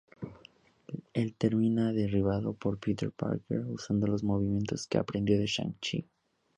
Él termina derribado por Peter Parker usando los movimientos que aprendió de Shang-Chi.